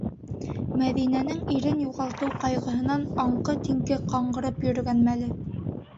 Мәҙинәнең ирен юғалтыу ҡайғыһынан аңҡы-тиңке ҡаңғырып йөрөгән мәле.